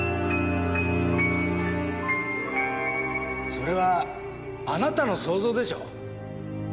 それはあなたの想像でしょう？